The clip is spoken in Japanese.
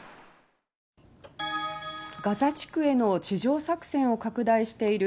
ガザ地区への地上作戦を拡大している。